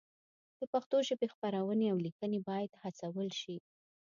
د پښتو ژبې خپرونې او لیکنې باید هڅول شي.